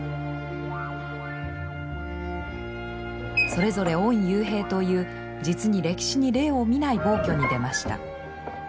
それぞれ御幽閉という実に歴史に例を見ない暴挙に出ました。